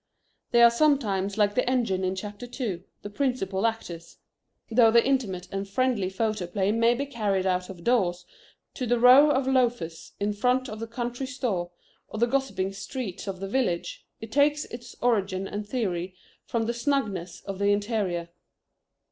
They are sometimes like the engine in chapter two, the principal actors. Though the Intimate and friendly Photoplay may be carried out of doors to the row of loafers in front of the country store, or the gossiping streets of the village, it takes its origin and theory from the snugness of the interior.